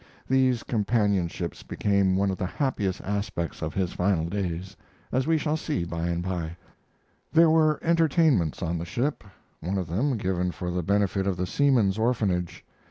These companionships became one of the happiest aspects of his final days, as we shall see by and by. There were entertainments on the ship, one of them given for the benefit of the Seamen's Orphanage.